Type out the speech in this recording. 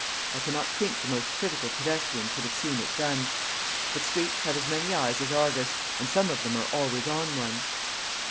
I cannot think the most critical pedestrian could have seen it done. But streets have as many eyes as Argus, and some of them are always on one.